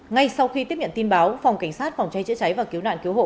ngay sau khi tiếp nhận tin báo phòng cảnh sát phòng cháy chữa cháy và cứu nạn cứu hộ